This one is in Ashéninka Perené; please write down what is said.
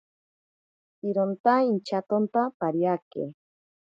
Ironta intyatonta pariake.